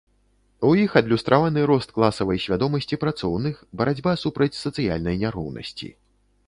У іх адлюстраваны рост класавай свядомасці працоўных, барацьба супраць сацыяльнай няроўнасці.